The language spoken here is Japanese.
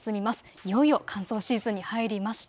いよいよ乾燥シーズンに入りました。